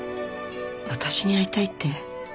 私に会いたいって？